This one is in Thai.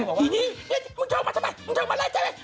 พี่นี่มึงชอบมันใช่ไหมมึงชอบมันอะไรใช่ไหม